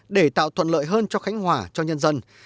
để tạo thuận lợi hơn cho khánh hòa cho nhân dân